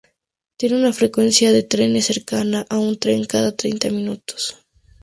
Tiene una frecuencia de trenes cercana a un tren cada treinta minutos.